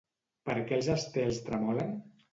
Per què els estels tremolen?